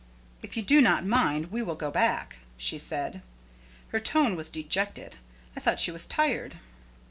"If you do not mind, we will go back," she said. Her tone was dejected. I thought she was tired.